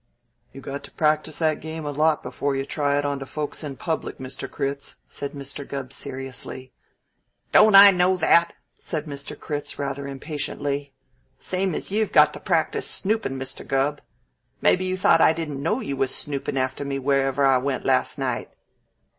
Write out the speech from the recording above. "You got to practice that game a lot before you try it onto folks in public, Mr. Critz," said Mr. Gubb seriously. "Don't I know that?" said Mr. Critz rather impatiently. "Same as you've got to practice snoopin', Mr. Gubb. Maybe you thought I didn't know you was snoopin' after me wherever I went last night."